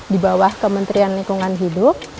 di bawah kementerian lingkungan hidup